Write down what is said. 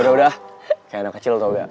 kayak anak kecil tau gak